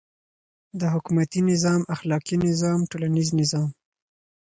. د حکومتی نظام، اخلاقی نظام، ټولنیز نظام